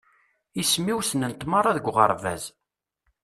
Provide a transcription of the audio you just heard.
Isem-iw ssnen-t merra deg uɣerbaz.